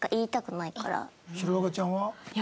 弘中ちゃんは？いや。